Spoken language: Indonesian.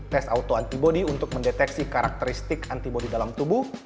tes autoantibody untuk mendeteksi karakteristik antibody dalam tubuh